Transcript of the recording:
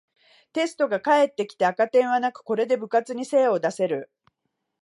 テストが返ってきて赤点はなく、これで部活に精を出せる